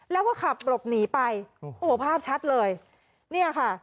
แล้วก็ขับหลบหนีไปโอ้โหภาพชัดเลยเนี่ยค่ะ